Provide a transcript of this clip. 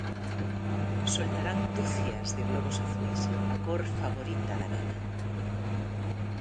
Soltarán ducias de globos azuis, a cor favorita da nena.